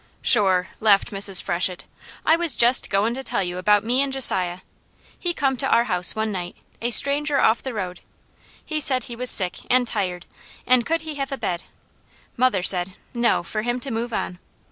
"Sure!" laughed Mrs. Freshett. "I was jest goin' to tell you about me an' Josiah. He come to our house one night, a stranger off the road. He said he was sick, an' tired, an' could he have a bed. Mother said, 'No, for him to move on.'